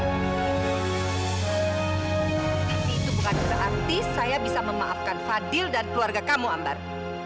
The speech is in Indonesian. itu bukan berarti saya bisa memaafkan fadil dan keluarga kamu ambar